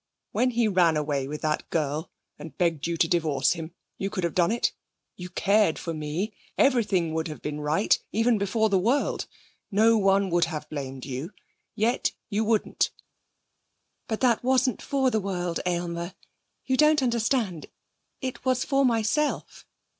When he ran away with that girl, and begged you to divorce him, you could have done it. You cared for me. Everything would have been right, even before the world. No one would have blamed you. Yet you wouldn't.' 'But that wasn't for the world, Aylmer; you don't understand. It was for myself.